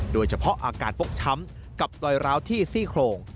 โดยเฉพาะอาการฟกช้ำกับรอยร้าวที่ซี่โครง